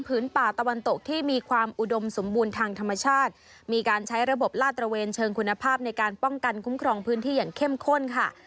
ป่าตะวันตกที่มีความอุดมสมบูรณ์ทางธรรมชาติมีการใช้ระบบลาดตระเวนเชิงคุณภาพในการป้องกันคุ้มครองพื้นที่อย่างเข้มข้นค่ะ